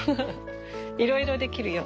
いろいろできるよ。